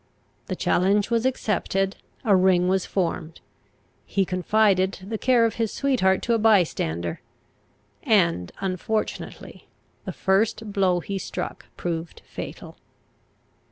The challenge was accepted; a ring was formed; he confided the care of his sweetheart to a bystander; and unfortunately the first blow he struck proved fatal.